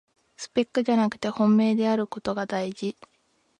スペックじゃなくて本命であることがだいじ